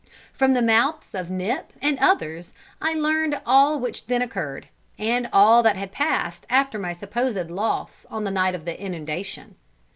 From the mouths of Nip and others I learnt all which then occurred, and all that had passed after my supposed loss on the night of the inundation.